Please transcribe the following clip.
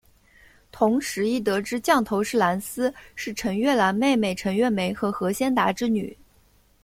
同时亦得知降头师蓝丝是陈月兰妹妹陈月梅和何先达之女。